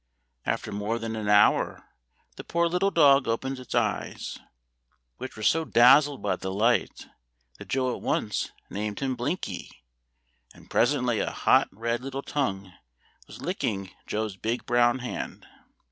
After more than an hour the poor little dog opened its eyes, which were so dazzled by the light that Joe at once named him Blinky, and presently a hot red little tongue was licking Joe's big brown hand.